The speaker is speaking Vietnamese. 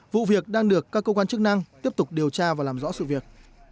vụ việc đang được các cơ quan chức năng tiếp tục điều tra và làm rõ sự việc